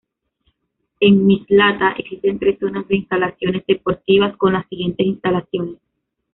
En Mislata existen tres zonas de instalaciones deportivas con las siguientes instalaciones.